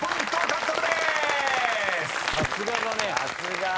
さすがだね。